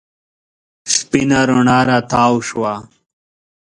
سپېنه رڼا راتاو شوه.